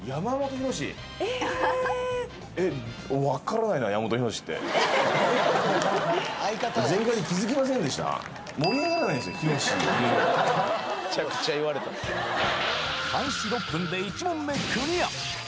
博いる開始６分で１問目クリア